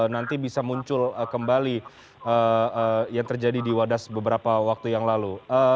nanti bisa muncul kembali yang terjadi di wadas beberapa waktu yang lalu